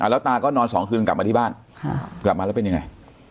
แล้วตาก็นอน๒คืนกลับมาที่บ้านกลับมาแล้วเป็นยังไง